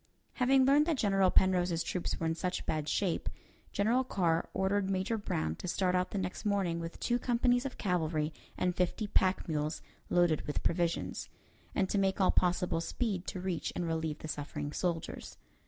Having learned that General Penrose's troops were in such bad shape, General Carr ordered Major Brown to start out the next morning with two companies of cavalry and fifty pack mules loaded with provisions, and to make all possible speed to reach and relieve the suffering soldiers.